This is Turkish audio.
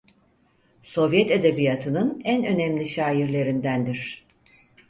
Sovyet edebiyatının en önemli şairlerindendir.